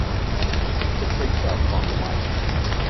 It picks up on the mike!